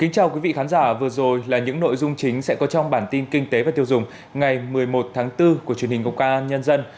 chào mừng quý vị đến với bản tin kinh tế và tiêu dùng ngày một mươi một tháng bốn của truyền hình công an nhân dân